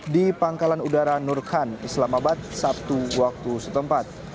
di pangkalan udara nur khan islamabad sabtu waktu setempat